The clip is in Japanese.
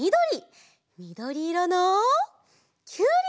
みどりいろのきゅうり！